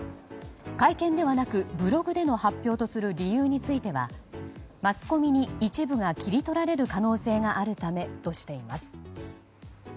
会見ではなくブログでの発表とする理由についてはマスコミに一部が切り取られる可能性があるためとしています。